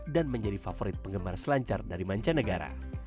dan menjadi favorit penggemar selancar dari mancanegara